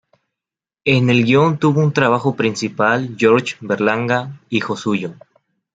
En el guion tuvo un trabajo principal Jorge Berlanga, hijo suyo.